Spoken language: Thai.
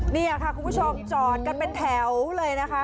นี่ค่ะคุณผู้ชมจอดกันเป็นแถวเลยนะคะ